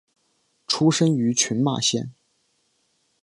出身于群马县。